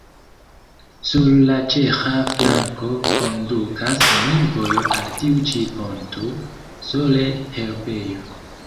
Sur la ĉeĥa flanko kondukas neniu vojo al tiu ĉi ponto, sole herbejo.